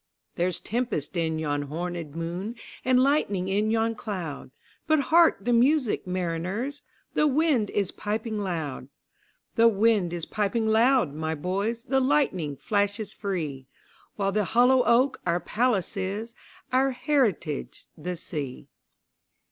There's tempest in yon hornèd moon, And lightning in yon cloud:But hark the music, mariners! The wind is piping loud; The wind is piping loud, my boys, The lightning flashes free—While the hollow oak our palace is, Our heritage the sea.